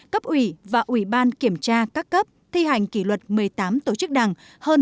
cấp ủy và ubnd tp hà nội kiểm tra các cấp thi hành kỷ luật một mươi tám tổ chức đảng